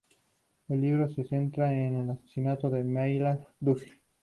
El libro se centra en el asesinato de Myra Duffy.